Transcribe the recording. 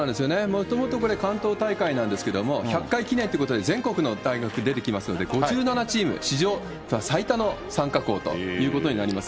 もともとこれ、関東大会なんですけれども、１００回記念ということで、全国の大学出てきますので、５７チーム、史上最多の参加校ということになります。